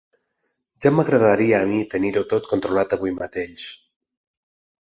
Ja m'agradaria a mi tenir-ho tot controlat avui mateix!